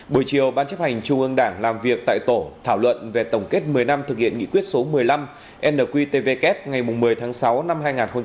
buổi chiều ban chấp hành trung ương đảng làm việc tại tổ thảo luận về tổng kết một mươi năm thực hiện nghị quyết số một mươi năm nqtvk ngày một mươi tháng sáu năm hai nghìn một mươi tám